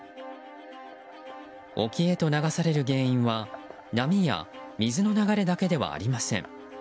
沖へと流される原因は波や水の流れだけではありません。